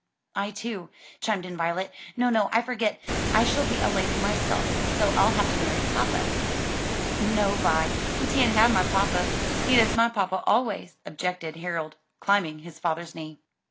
"I too," chimed in Violet. "No, no, I forget, I shall be a lady myself: so I'll have to marry papa." "No, Vi, oo tan't have my papa; he's dus' my papa always," objected Harold, climbing his father's knee.